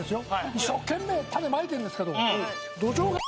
一生懸命種まいてるんですけど土壌が。